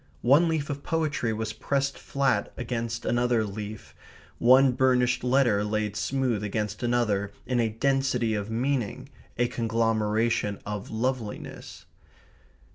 One leaf of poetry was pressed flat against another leaf, one burnished letter laid smooth against another in a density of meaning, a conglomeration of loveliness.